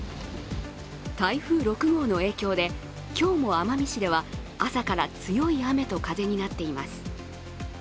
台風６号の影響で今日も奄美市では朝から強い雨と風になっています。